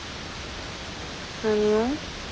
何を？